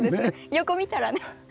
横見たらね。